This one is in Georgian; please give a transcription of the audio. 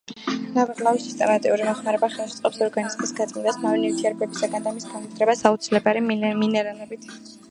ნაბეღლავის სისტემატური მოხმარება ხელს უწყობს ორგანიზმის გაწმენდას მავნე ნივთიერებებისაგან და მის გამდიდრებას აუცილებელი მინერალებით.